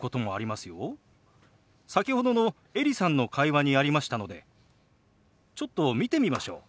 先ほどのエリさんの会話にありましたのでちょっと見てみましょう。